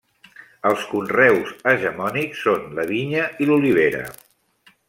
Els conreus hegemònics són la vinya i l’olivera.